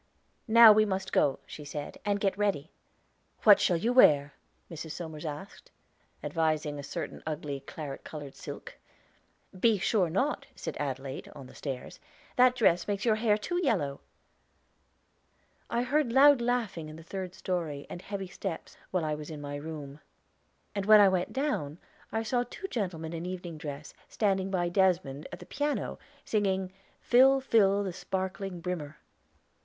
"Now we must go," she said, "and get ready." "What shall you wear?" Mrs. Somers asked, advising a certain ugly, claret colored silk. "Be sure not," said Adelaide on the stairs. "That dress makes your hair too yellow." I heard loud laughing in the third story, and heavy steps, while I was in my room; and when I went down, I saw two gentlemen in evening dress, standing by Desmond, at the piano, and singing, "Fill, fill the sparkling brimmer."